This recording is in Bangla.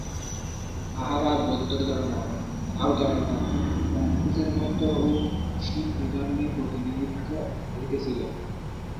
তাঁহারা বৌদ্ধধর্ম, তাও-ধর্ম, কংফুছের মত ও শিণ্টো-ধর্মের প্রতিনিধিত্ব করিতেছিলেন।